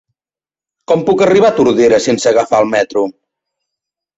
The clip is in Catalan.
Com puc arribar a Tordera sense agafar el metro?